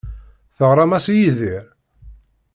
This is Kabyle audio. Teɣram-as i Yidir?